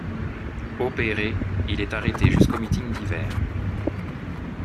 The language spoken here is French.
Opéré, il est arrêté jusqu'au meeting d'hiver.